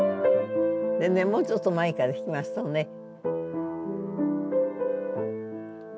でねもうちょっと前から弾きますとね。